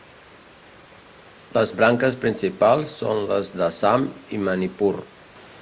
Les branques principals són les d'Assam i Manipur.